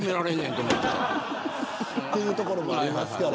というところもありますから。